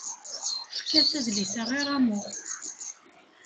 Efk-as adlis-a i Ramu.